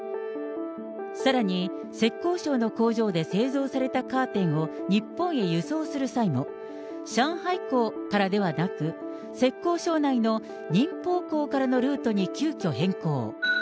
さらに、浙江省の工場で製造されたカーテンを日本へ輸送する際の上海港からではなく、浙江省内の寧波港からのルートに急きょ変更。